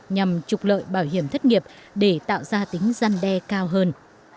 nhằm trục lợi bảo hiểm thất nghiệp để tạo ra tính gian đe cao hơn